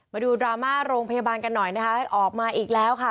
มาดูดราม่าโรงพยาบาลกันหน่อยนะคะออกมาอีกแล้วค่ะ